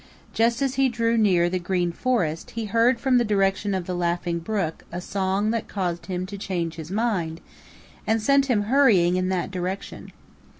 Just as he drew near the Green Forest he heard from the direction of the Laughing Brook a song that caused him to change his mind and sent him hurrying in that direction.